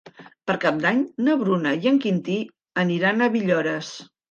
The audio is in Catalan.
Per Cap d'Any na Bruna i en Quintí aniran a Villores.